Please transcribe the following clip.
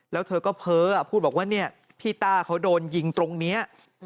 แล้วเธอก็เพ้อพูดบอกว่าเนี่ยพี่ต้าเขาโดนยิงตรงนี้